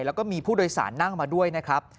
แล้วก็มีผู้โดยสารนั่งมาด้วยนะครับ